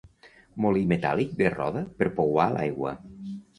Molí metàl·lic de roda per pouar l'aigua.